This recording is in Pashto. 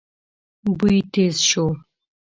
بوی تېز شو.